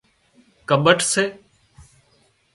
ڪٻٺ سي